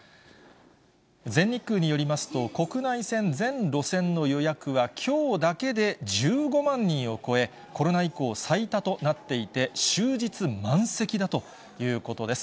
全日空によりますと、国内線全路線の予約はきょうだけで１５万人を超え、コロナ以降、最多となっていて、終日満席だということです。